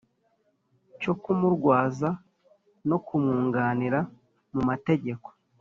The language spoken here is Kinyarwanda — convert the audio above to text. cyokumurwaza no kumwunganira mumategeko